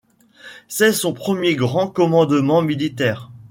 C'est son premier grand commandement militaire.